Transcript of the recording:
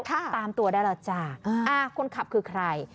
ค่ะตามตัวได้แล้วจ้าคุณขับคือใคร